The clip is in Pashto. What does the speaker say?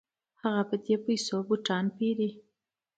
هغه په دې پیسو بوټان پيري.